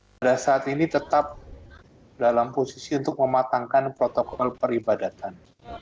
pada saat ini tetap dalam posisi untuk mematangkan protokol peribadatan